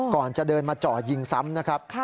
ก่อนจะเดินมาเจาะยิงซ้ำนะครับ